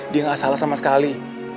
dia nggak salah sama sekali